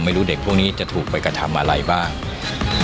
เด็กพวกนี้จะถูกไปกระทำอะไรบ้าง